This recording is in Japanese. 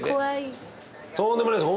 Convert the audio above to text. とんでもないです。